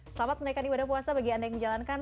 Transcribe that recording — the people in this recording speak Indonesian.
selamat menaikkan ibadah puasa bagi anda yang menjalankan